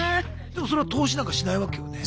でもそれは投資なんかしないわけよね？